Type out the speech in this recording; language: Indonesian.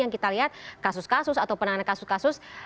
yang kita lihat kasus kasus atau penanganan kasus kasus